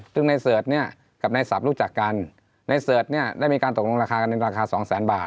ซึ่งในเสิร์ชเนี่ยกับในศัพท์รู้จักกันในเสิร์ชเนี่ยได้มีการตกลงราคากันในราคาสองแสนบาท